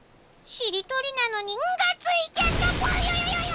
しりとりなのに「ん」がついちゃったぽよよよよよよ！